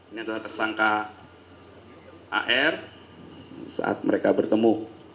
ini adalah tersangka ar saat mereka bertemu